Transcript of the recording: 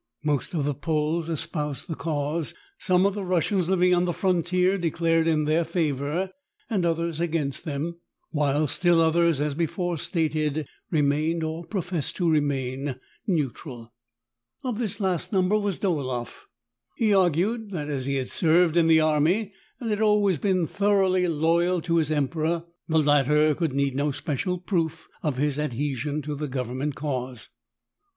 Most of the Poles espoused the cause ; some of the Russians living on the frontier declared in their favor, and others against them ; while still others, as before stated, remained, or professed to remain, neutral. Of this last number was Dolaeif. He argued that as he had served in the army, and had always been thoroughly loyal to his emperor, the latter could need no special proof of his adhesion to the government eause.